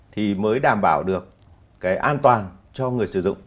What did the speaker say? thì mới đảm bảo được cái an toàn cho người sử dụng